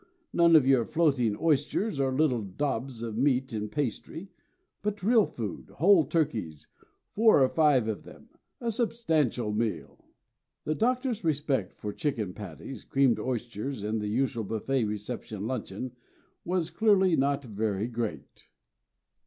None of your floating oysters, or little daubs of meat in pastry, but real food, whole turkeys, four or five of them a substantial meal." The Doctor's respect for chicken patties, creamed oysters, and the usual buffet reception luncheon, was clearly not very great.